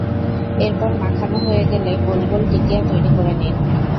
এরপর মাখানো হয়ে গেলে গোল গোল টিকিয়া তৈরি করে নিন।